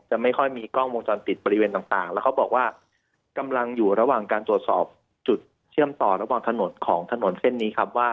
ไม่ค่อยมีกล้องวงจรปิดบริเวณต่างแล้วเขาบอกว่ากำลังอยู่ระหว่างการตรวจสอบจุดเชื่อมต่อระหว่างถนนของถนนเส้นนี้ครับว่า